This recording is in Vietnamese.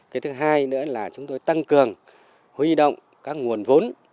cái thứ hai nữa là chúng tôi tăng cường huy động các nguồn vốn